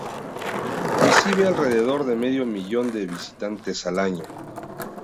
Recibe al rededor de medio millón de visitantes al año.